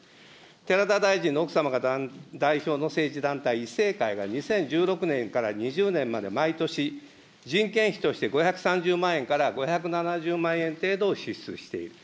寺田大臣の奥様が代表の政治団体、以正会が、２０１６年から２０年まで毎年、人件費として５３０万円から５７０万円程度を支出している。